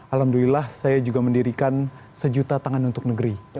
alhamdulillah saya juga mendirikan sejuta tangan untuk negeri